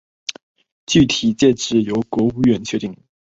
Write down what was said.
具体界址由国务院确定。